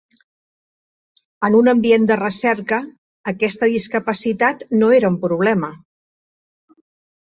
En un ambient de recerca, aquesta discapacitat no era un problema.